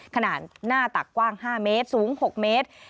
ขนาดหน้าตักกว้าง๕เมตรสูง๖เมตร